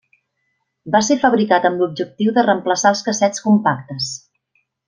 Va ser fabricat amb l'objectiu de reemplaçar els cassets compactes.